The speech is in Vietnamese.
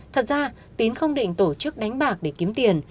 thật ra tín không định tổ chức đánh bạc để kiếm tiền